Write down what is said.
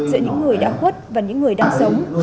giữa những người đã khuất và những người đang sống